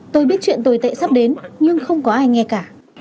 tôi biết chuyện tồi tệ sắp đến nhưng không có ai nghe cả